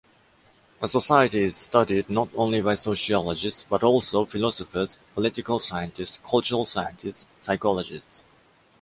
A society is studied not only by sociologists, but also philosophers, political scientists, cultural scientists, psychologists.